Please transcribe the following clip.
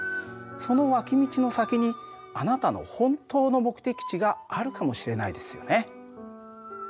その脇道の先にあなたの本当の目的地があるかもしれないですよね。